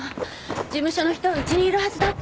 事務所の人は家にいるはずだって。